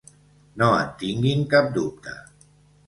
No en tinguin cap dubte.